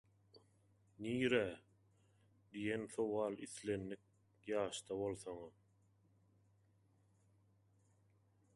«Nirä?» diýen sowal islendik ýaşda bolsaňam